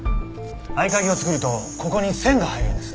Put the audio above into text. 合鍵を作るとここに線が入るんです。